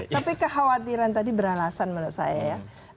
tapi kekhawatiran tadi beralasan menurut saya ya